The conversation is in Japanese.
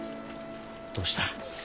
どうした？